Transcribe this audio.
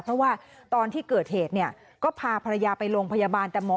เพราะว่าตอนที่เกิดเหตุเนี่ยก็พาภรรยาไปโรงพยาบาลแต่หมอ